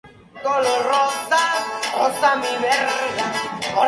La dieta es estacionalmente variable, dependiendo de la disponibilidad de diferentes alimentos.